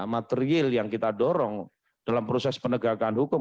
material yang kita dorong dalam proses penegakan hukum